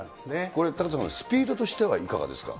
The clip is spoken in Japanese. これ、高岡さん、スピードとしてはいかがですか。